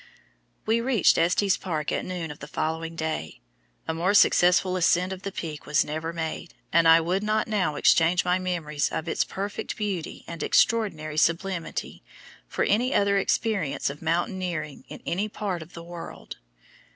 We reached Estes Park at noon of the following day. A more successful ascent of the Peak was never made, and I would not now exchange my memories of its perfect beauty and extraordinary sublimity for any other experience of mountaineering in any part of the world.